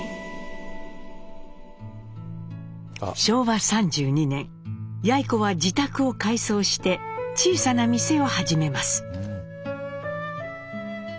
昭和３２年やい子は自宅を改装して小さな店を始めます。